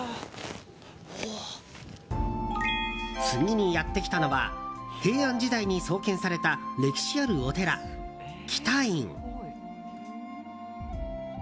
次にやってきたのは平安時代に創建された歴史あるお寺、喜多院。